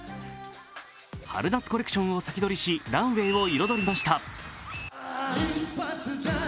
春夏コレクションを先取りしランウェイを彩りました。